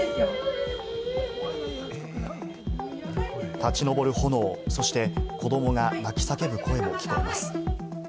立ち上る炎、そして子どもが泣き叫ぶ声も聞こえます。